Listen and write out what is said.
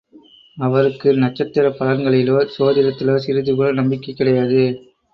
அவருக்கு நட்சத்திரப் பலன்களிலோ சோதிடத்திலோ சிறிதுகூட நம்பிக்கை கிடையாது.